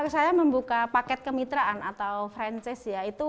saya membuka paket kemitraan atau frisense